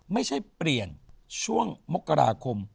ไม่ใช่เปลี่ยนช่วงมกราคม